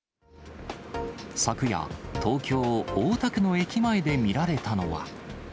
昨夜、東京・大田区の駅前で見られたのは。